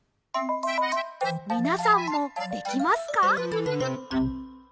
みなさんもできますか？